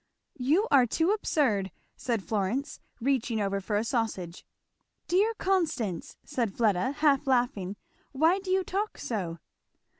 "You are too absurd!" said Florence, reaching over for a sausage. "Dear Constance!" said Fleda, half laughing, "why do you talk so?"